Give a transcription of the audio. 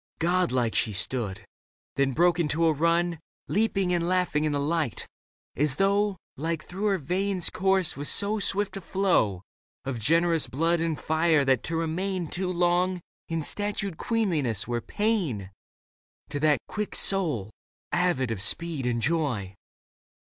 God like she stood ; then broke into a run. Leaping and laughing in the light, as though Life through her veins coursed with so swift a flow Of generous blood and fire that to remain Too long in statued queenliness were pain To that quick soul, avid of speed and joy.